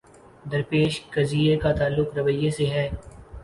درپیش قضیے کا تعلق رویے سے ہے۔